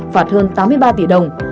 phạt hơn tám mươi ba tỷ đồng